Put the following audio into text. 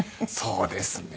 そうですね。